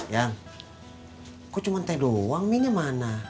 yang kok cuma teh doang mie nya mana